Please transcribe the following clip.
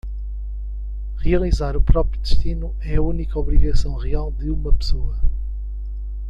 Realizar o próprio destino é a única obrigação real de uma pessoa.